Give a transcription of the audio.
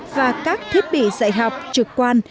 và các thiết bị dạy học trực quan